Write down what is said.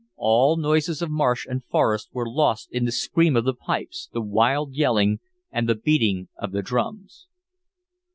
All noises of marsh and forest were lost in the scream of the pipes, the wild yelling, and the beating of the drums.